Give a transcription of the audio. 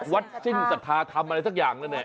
วัดสินสัทธาธรรมอะไรสักอย่างน่ะนี่